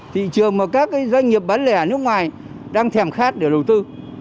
thị trường mà các doanh nghiệp bán lẻ ở nước ngoài đang thèm khát để đầu tư